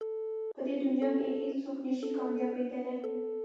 په دې دنیا کې هېڅ څوک نه شي کامیابېدلی.